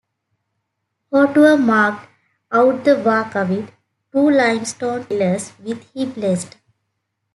Hoturoa marked out the waka with two limestone pillars which he blessed.